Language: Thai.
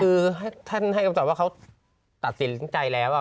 คือท่านให้คำตอบว่าเขาตัดสินใจแล้ว